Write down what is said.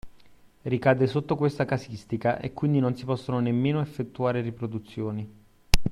Ricade sotto questa casistica e quindi non si possono nemmeno effettuare riproduzioni.